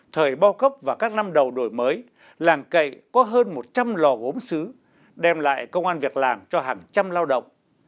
thời bao cấp và các năm đầu đổi mới làng cậy có hơn một trăm linh lò gốm xứ đem lại công an việc làm cho hàng trăm lao động